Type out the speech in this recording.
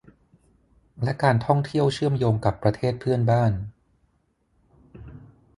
และการท่องเที่ยวเชื่อมโยงกับประเทศเพื่อนบ้าน